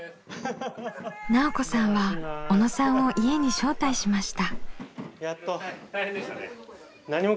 奈緒子さんは小野さんを家に招待しました。